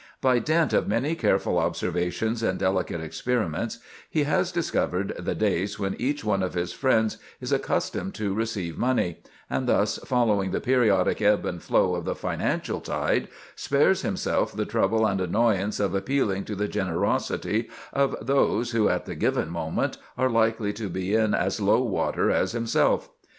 By dint of many careful observations and delicate experiments he has discovered the days when each one of his friends is accustomed to receive money, and thus, following the periodic ebb and flow of the financial tide, spares himself the trouble and annoyance of appealing to the generosity of those who, at the given moment, are likely to be in as low water as himself.